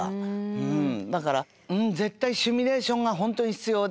だから絶対シミュレーションが本当に必要で。